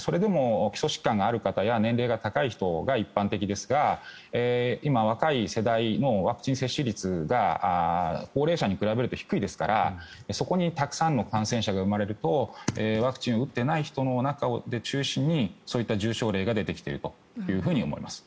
それでも基礎疾患がある方や年齢が高い人が一般的ですが今、若い世代のワクチン接種率が高齢者に比べると低いですからそこにたくさんの感染者が生まれるとワクチンを打っていない人の中を中心にそういった重症例が出てきていると思います。